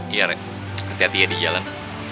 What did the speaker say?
iya rek hati hati ya di jalan